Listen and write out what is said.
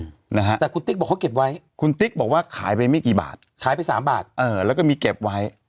นะฮะแต่คุณติ๊กบอกเขาเก็บไว้คุณติ๊กบอกว่าขายไปไม่กี่บาทขายไปสามบาทเออแล้วก็มีเก็บไว้